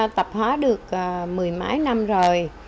tập hóa được một mươi mãi năm rồi